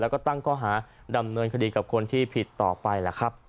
แล้วก็ตั้งข้อหาดำเนินคดีกับคนที่ผิดต่อไปล่ะครับ